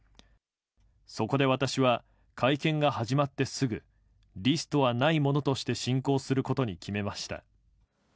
そこで私は、会見が始まってすぐ、リストはないものとして進行することに決めました。